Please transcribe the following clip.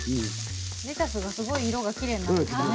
レタスがすごい色がきれいになってきたね。